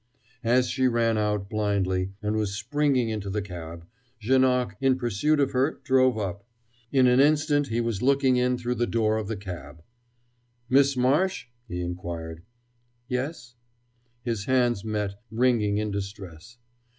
As she ran out blindly, and was springing into the cab, Janoc, in pursuit of her, drove up. In an instant he was looking in through the door of the cab. "Miss Marsh?" he inquired. "Yes." His hands met, wringing in distress.